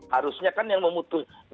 harusnya kan yang memutuskan